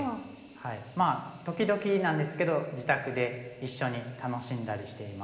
まあ時々なんですけど自宅で一緒に楽しんだりしています。